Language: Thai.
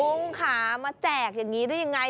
ลุงค่ะมาแจกอย่างนี้ได้ยังไง